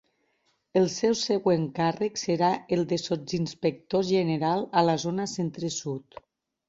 El seu següent càrrec serà el de sotsinspector general a la zona Centre-Sud.